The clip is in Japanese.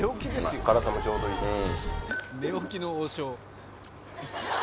辛さもちょうどいいですし。